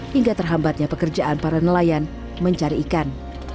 hingga terhambatnya pekerjaan para nelayan mencari ikan